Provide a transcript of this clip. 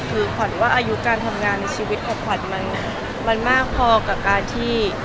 คือขวัญว่าอายุการทำงานในชีวิตของขวัญมันมากพอกับการที่